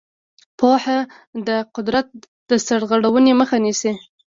پوهه د قدرت د سرغړونې مخه نیسي.